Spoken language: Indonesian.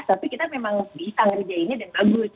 tapi kita memang bisa ngerjainnya dan bagus